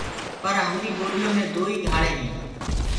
پر همري ٻوليو مي دوئي گھآݪينٚ هينٚ۔